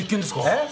えっ？